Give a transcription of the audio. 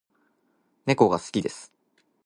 猫が好きです